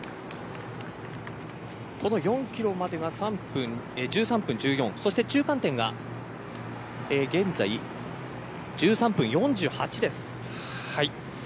この４キロまでは１３分１４中間点が現在１３分４８です。